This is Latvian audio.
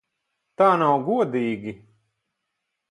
Tā nav godīgi!